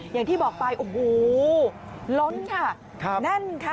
อย่างที่บอกไปโอ้โหล้นค่ะแน่นค่ะ